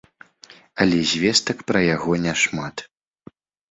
Але звестак пра яго няшмат.